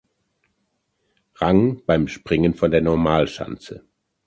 Rang beim Springen von der Normalschanze.